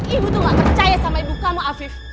ibu tuh gak percaya sama ibu kamu afif